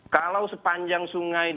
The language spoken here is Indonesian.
kalau sepanjang sungai